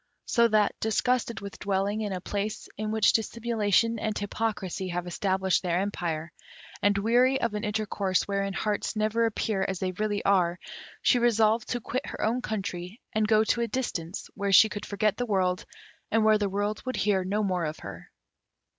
So that, disgusted with dwelling in a place in which dissimulation and hypocrisy have established their empire, and weary of an intercourse wherein hearts never appear as they really are, she resolved to quit her own country and go to a distance, where she could forget the world, and where the world would hear no more of her.